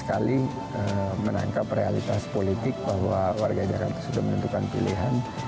sekali menangkap realitas politik bahwa warga jakarta sudah menentukan pilihan